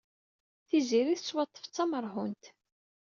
Tiziri tettwaḍḍef d tameṛhunt.